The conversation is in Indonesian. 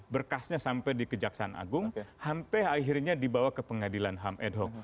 berkasnya sampai di kejaksaan agung sampai akhirnya dibawa ke pengadilan ham ad hoc